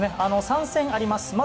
３戦あります。